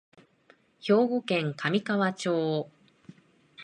兵庫県神河町